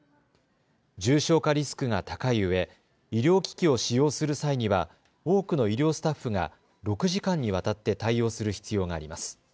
重症化リスクが高いうえ医療機器を使用する際には多くの医療スタッフが６時間にわたって対応する必要があります。